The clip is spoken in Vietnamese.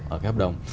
ở cái hợp đồng